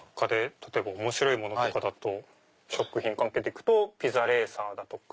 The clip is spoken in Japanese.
例えば面白いものとかだと食品関係でいくとピザレーサーだとか。